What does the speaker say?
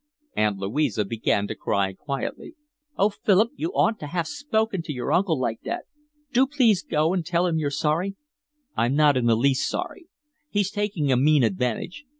Aunt Louisa began to cry quietly. "Oh, Philip, you oughtn't to have spoken to your uncle like that. Do please go and tell him you're sorry." "I'm not in the least sorry. He's taking a mean advantage.